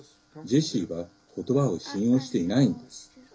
ジェシーはことばを信用していないんです。